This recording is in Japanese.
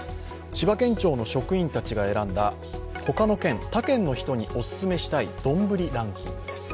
千葉県庁の職員たちが選んだ、他の県、他県の人たちにおすすめしたいどんぶりランキングです。